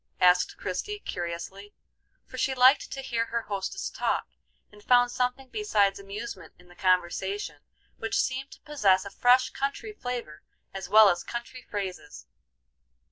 asked Christie, curiously; for she liked to hear her hostess talk, and found something besides amusement in the conversation, which seemed to possess a fresh country flavor as well as country phrases.